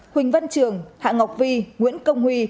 huỳnh văn trường hạ ngọc vi nguyễn công huy